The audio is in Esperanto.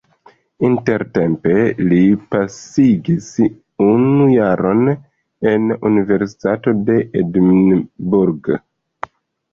Intertempe li pasigis unu jaron en Universitato de Edinburgh.